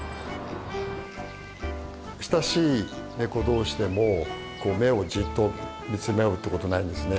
親しいネコ同士でもこう目をじっと見つめ合うってことないですね。